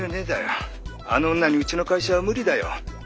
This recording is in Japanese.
あの女にうちの会社は無理だよ」。